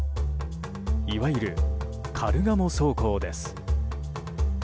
いわゆる、カルガモ走行です。